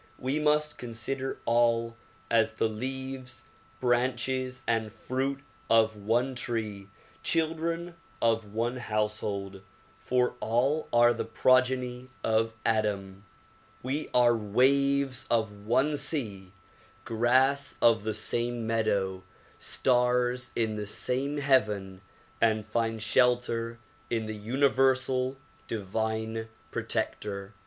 We must consider all as the leaves, branches and fruit of one tree, children of one house hold ; for all are the progeny of Adam. We are waves of one sea, grass of the same meadow, stars in the same heaven and find shelter in the universal divine protector.